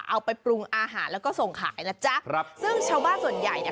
เอาไปปรุงอาหารแล้วก็ส่งขายนะจ๊ะครับซึ่งชาวบ้านส่วนใหญ่เนี่ย